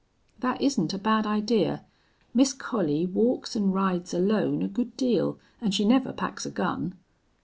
"That isn't a bad idea. Miss Collie walks an' rides alone a good deal, an' she never packs a gun."